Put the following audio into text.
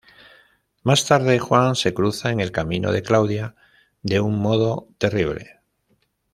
Más tarde, Juan se cruza en el camino de Claudia de un modo terrible.